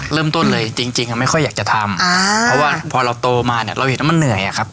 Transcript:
เริ่มต้นเลยจริงไม่ค่อยอยากจะทำเพราะว่าพอเราโตมาเนี่ยเราเห็นแล้วมันเหนื่อยอะครับ